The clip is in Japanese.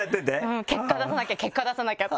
結果出さなきゃ結果出さなきゃって思って。